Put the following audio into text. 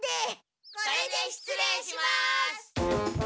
これでしつ礼します。